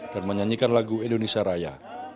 dan menyanyikan lagu indonesia raya